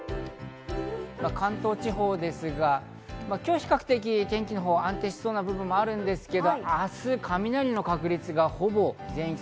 関東地方ですが、今日は比較的、天気のほう安定しそうな部分もあるんですけど、明日、雷の確率がほぼ全域。